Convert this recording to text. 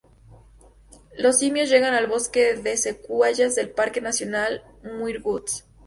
Los simios llegan al bosque de secuoyas del Parque Nacional Muir Woods.